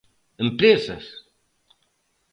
¿Empresas?